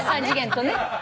３次元とね。